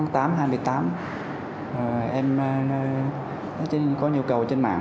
tháng tám hai mươi tám em có nhu cầu trên mạng